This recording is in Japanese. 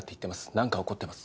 何か怒ってます